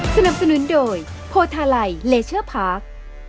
สนับสนุนโดยโพทาไลเลเชอร์พาร์ค